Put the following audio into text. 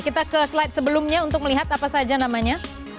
kita ke slide sebelumnya untuk melihat apa saja namanya